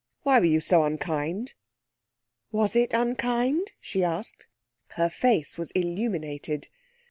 Why were you so unkind?' 'Was it unkind?' she asked. Her face was illuminated.